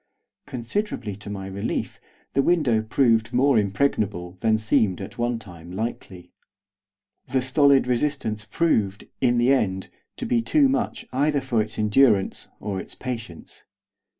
Considerably to my relief the window proved more impregnable than seemed at one time likely. The stolid resistance proved, in the end, to be too much either for its endurance or its patience.